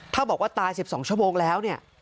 ถ้าบอกว่าตาย๑๒ชั่วโมงแล้วเนี่ย